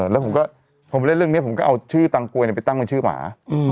แล้วผมก็พอไปเล่นเรื่องนี้ผมก็เอาชื่อตังกลวยไปตั้งเป็นชื่อหมา